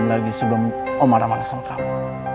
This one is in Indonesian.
apalagi sebelum om marah marah sama kamu